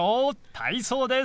体操です！